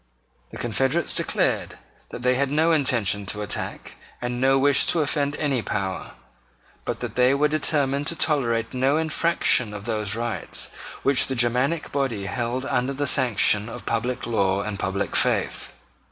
The confederates declared that they had no intention to attack and no wish to offend any power, but that they were determined to tolerate no infraction of those rights which the Germanic body held under the sanction of public law and public faith.